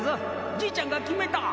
じいちゃんが決めた！